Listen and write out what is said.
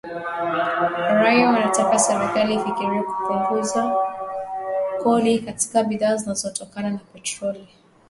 Raia wanataka serikali ifikirie kupunguza kodi katika bidhaa zinazotokana na petroli